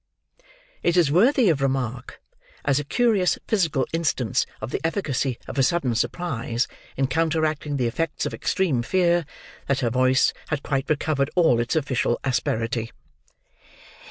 It is worthy of remark, as a curious physical instance of the efficacy of a sudden surprise in counteracting the effects of extreme fear, that her voice had quite recovered all its official asperity.